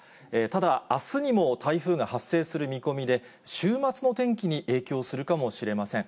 ただ、あすにも台風が発生する見込みで、週末の天気に影響するかもしれません。